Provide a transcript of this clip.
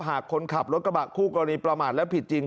หากคนขับรถกระบะคู่กรณีประมาทและผิดจริง